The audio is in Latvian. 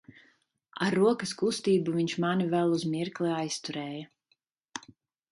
Ar rokas kustību viņš mani vēl uz mirkli aizturēja.